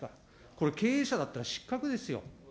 これ経営者だったら失格ですよ。